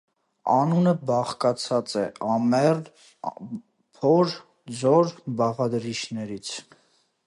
Անունը բաղկացած է «ամեռն» + փոր «ձոր» բաղադրիչներից։